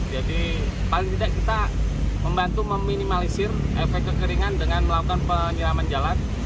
jadi paling tidak kita membantu meminimalisir efek kekeringan dengan melakukan penyelaman jalan